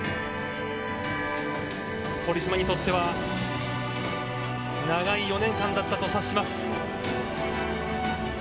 堀島にとっては長い４年間だったと察します。